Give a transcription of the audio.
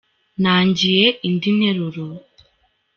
Nangiye indi nteruro.